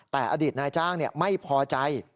แต่อดีตนายจ้างไม่พอใจ